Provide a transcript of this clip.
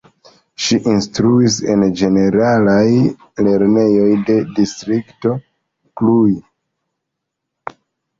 Ŝi instruis en ĝeneralaj lernejoj de Distrikto Cluj.